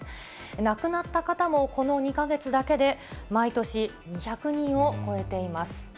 亡くなった方もこの２か月だけで、毎年２００人を超えています。